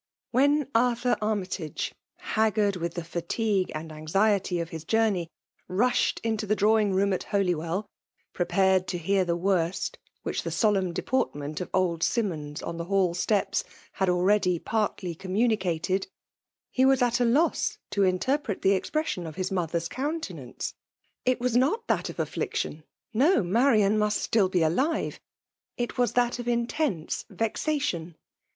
When Arthur Annytage> haggard with the fatigue and anxiety of his journey, rushed into the drawing room at Holywell, prepared to hear the worst, which the solemn deport* ment of old Simmons on the hall steps had already partly communicated, — he was at a loss to interpret the expression of his mother's countenance. It was not that of affliction, — no !— ^Marian must be still alive ;— it was that of intense vexation.